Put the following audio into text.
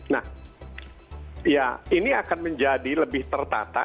nah ya ini akan menjadi lebih tertata